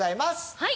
はい。